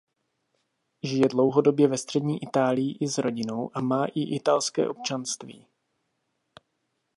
Žije dlouhodobě ve střední Itálii i s rodinou a má i italské občanství.